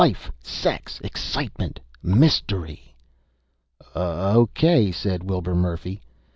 Life! Sex! Excitement! Mystery!" "Okay," said Wilbur Murphy.